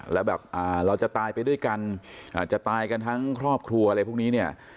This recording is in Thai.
แล้วแบบเราจะตายไปด้วยกันอาจจะตายกันทั้งครอบครัวอะไรพวกนี้เนี่ย